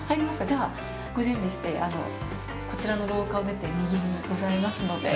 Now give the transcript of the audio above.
じゃあ、ご準備してこちらの廊下を出て右にございますので。